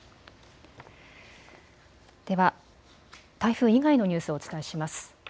では台風以外のニュースをお伝えします。